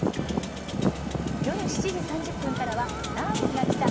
夜７時３０分からは「ダーウィンが来た！